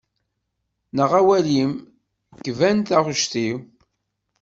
Nneɣ awal-im, kben taɣect-im.